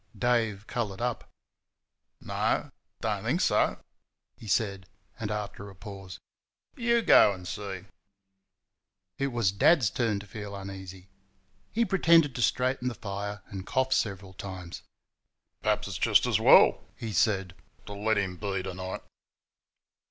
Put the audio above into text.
Dave coloured up. "No don't think so," he said; and, after a pause, "YOU go and see." It was Dad's turn to feel uneasy. He pretended to straighten the fire, and coughed several times. "Perhaps it's just as well," he said, "to let him be to night."